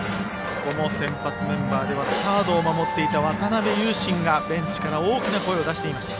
ここも先発メンバーではサードを守っていた渡邊勇伸がベンチから大きな声を出していました。